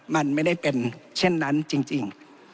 มันไม่ได้เป็นเช่นนั้นจริง